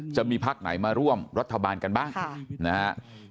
จะมีภาคไหนมาร่วมรัฐบาลกันบ้างนะฮะ